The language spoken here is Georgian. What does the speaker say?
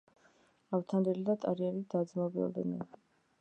ავთანდილი და ტარიელი დაძმობილდნენ